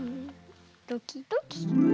ドキドキ。